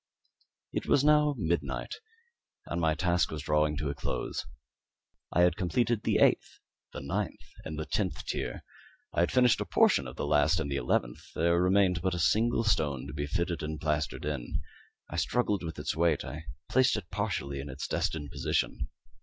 It was now midnight, and my task was drawing to a close. I had completed the eighth, the ninth, and the tenth tier. I had finished a portion of the last and the eleventh; there remained but a single stone to be fitted and plastered in. I struggled with its weight; I placed it partially in its destined position.